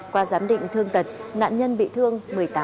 qua giám định thương tật nạn nhân bị thương một mươi tám